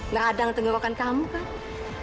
ngeradang tenggerokan kamu kan